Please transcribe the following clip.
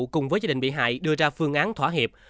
cùng với gia đình bị hại đưa ra phương án thỏa hiệp